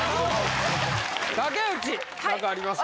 ・竹内なんかありますか？